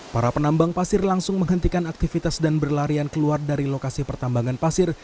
para penambang pasir langsung menghentikan aktivitas dan berlarian keluar dari lokasi pertambangan pasir